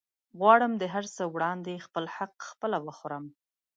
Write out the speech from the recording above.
غواړم د هرڅه وړاندې خپل حق خپله وخورم